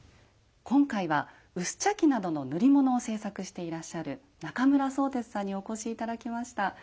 今回は薄茶器などの塗り物を制作していらっしゃる中村宗哲さんにお越し頂きました。